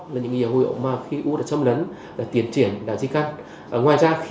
là những dấu hiệu khi u đã châm lấn tiến triển di căn